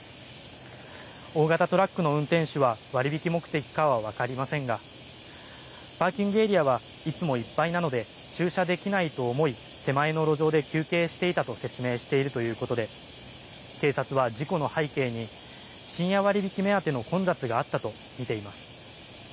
大型トラックの運転手は割引目的かは分かりませんが、パーキングエリアはいつもいっぱいなので駐車できないと思い、手前の路上で休憩していたと説明しているということで、警察は事故の背景に、深夜割引目当ての混雑があったと見ています。